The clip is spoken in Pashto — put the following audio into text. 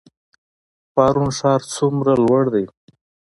پارون ښار څومره لوړ دی؟